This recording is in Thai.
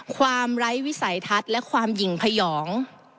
ไร้วิสัยทัศน์และความหญิงพยอง